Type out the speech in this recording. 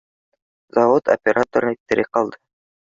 Завод операторы тере ҡалды